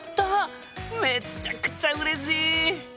めっちゃくちゃうれしい！